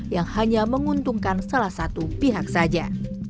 yang hanya menguntungkan salah satu pihak saja